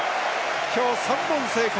今日、３本成功！